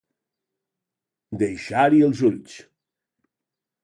Deixar-hi els ulls.